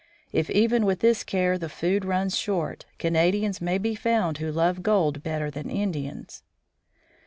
If even with this care the food runs short, Canadians may be found who love gold better than Indians."